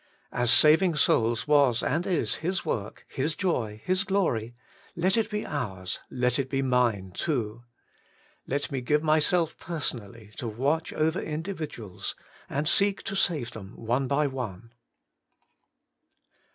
As saving souls was and is His work, His joy, His glory, let it be ours, let it be mine, too. Let me give myself personally to watch over individu als, and seek to save them one by one.